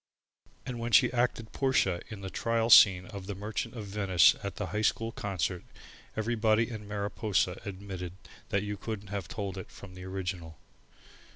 And when she acted Portia in the Trial Scene of the Merchant of Venice at the High School concert, everybody in Mariposa admitted that you couldn't have told it from the original.